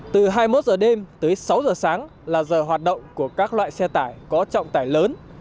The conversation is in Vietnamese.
từ hai mươi một h đêm tới sáu giờ sáng là giờ hoạt động của các loại xe tải có trọng tải lớn